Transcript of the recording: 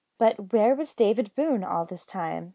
But where was David Boone all this time?